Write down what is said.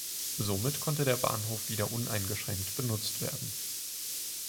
Somit konnte der Bahnhof wieder uneingeschränkt benutzt werden.